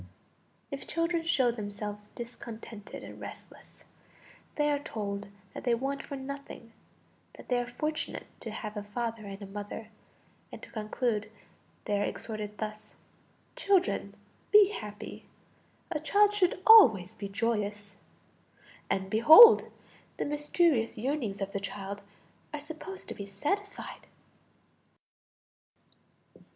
If children show themselves discontented and restless, they are told that they want for nothing, that they are fortunate to have a father and a mother, and to conclude, they are exhorted thus: "Children, be happy a child should always be joyous"; and behold! the mysterious yearnings of the child are supposed to be satisfied!